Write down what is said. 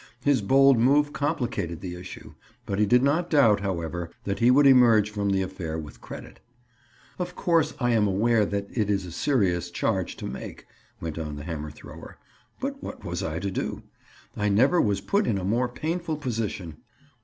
His bold move complicated the issue; but he did not doubt, however, that he would emerge from the affair with credit. "Of course I am aware that it is a serious charge to make," went on the hammer thrower, "but what was I to do? I never was put in a more painful position."